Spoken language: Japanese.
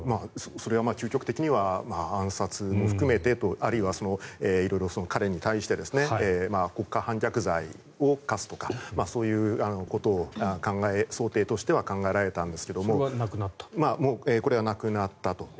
それは究極的には暗殺も含めてあるいは色々、彼に対して国家反逆罪を科すとかそういうことが想定としては考えられたんですがこれはなくなったと。